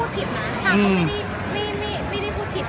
ชาเขาไม่ได้พูดผิด